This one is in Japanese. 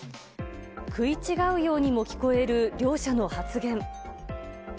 食い違うようにも聞こえる両者の発言。